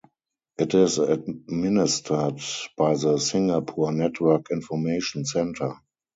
It is administered by the Singapore Network Information Centre.